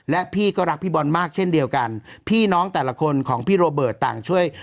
และพี่ก็รักพี่บอลมากเช่นเดียวกันพี่น้องแต่ละคนของพี่โรเบิร์ตต่างช่วย